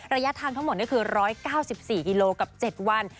ระยะทางทั้งหมดนี่คือ๑๙๔กิโลกับ๗วัน